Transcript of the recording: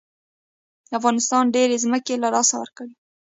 افغانستان ډېرې ځمکې له لاسه ورکړې.